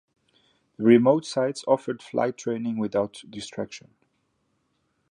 The remotes sites offered flight training without distractions.